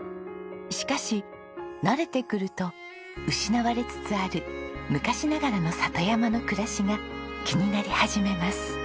しかし慣れてくると失われつつある昔ながらの里山の暮らしが気になり始めます。